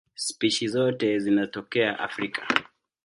Spishi zote zinatokea Afrika.